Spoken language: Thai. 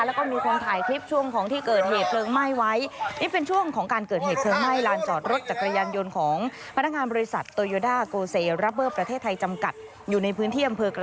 แล้วก็มีคนถ่ายคลิปช่วงของที่เกิดเหตุเพลิงไหม้ไว้